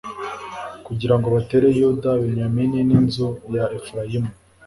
kugira ngo batere yuda, benyamini n'inzu ya efurayimu